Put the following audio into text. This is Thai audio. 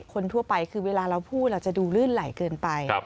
คนทั่วไปคือเวลาเราพูดเราจะดูลื่นไหลเกินไป